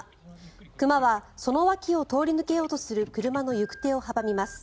熊はその脇を通り抜けようとする車の行く手を阻みます。